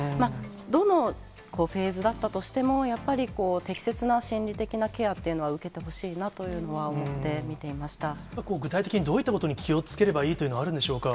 どのフェーズだったとしても、やっぱり適切な心理的なケアっていうのは、受けてほしいなという具体的にどういったことに気をつければいいというのはあるんでしょうか。